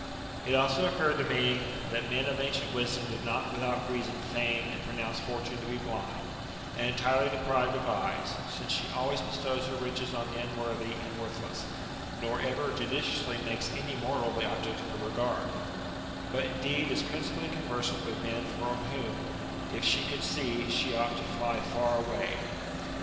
It also occurred to me, that men of ancient wisdom did not without reason feign and pronounce Fortune to be blind, and entirely deprived of eyes ; since she always bestows her riches on the unworthy and worthless, nor ever judicially makes any mortal the object of her regard: but indeed is principally conversant with men from whom, if she could see, she ought to fly far away.